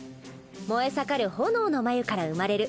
燃え盛る炎の繭から生まれる。